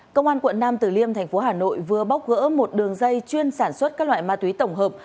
công an quận nam tử liêm thành phố hà nội vừa bóc gỡ một đường dây chuyên sản xuất các loại ma túy tổng hợp